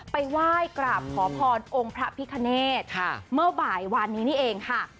ไปไหว้กราบขอพรองค์พระพิคเนธเมื่อบ่ายวานนี้นี่เองค่ะ